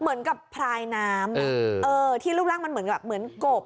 เหมือนกับพลายน้ำที่รูปร่างมันเหมือนกับเหมือนกบ